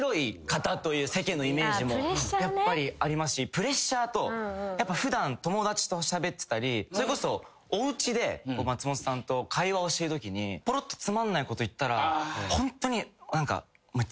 プレッシャーとやっぱ普段友達としゃべってたりそれこそおうちで松本さんと会話をしてるときにぽろっとつまんないこと言ったらホントに何か。